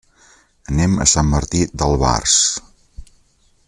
Anem a Sant Martí d'Albars.